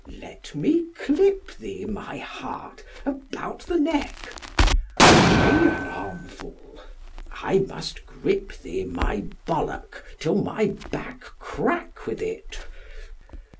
Let me clip thee, my heart, about the neck; to me an armful. I must grip thee, my ballock, till thy back crack with it.